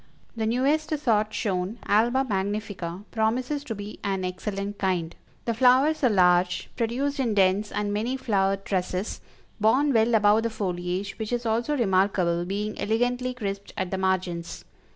The newest sort shown, Alba Magnifica, promises to be an excellent kind; the flowers are large, produced in dense and many flowered trusses, borne well above the foliage, which is also remarkable being elegantly crisped at the margins.